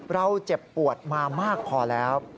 เราเจ็บปวดมามากพอแล้ว